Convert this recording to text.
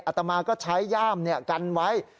ตมาก็ใช้ย่ามกันไว้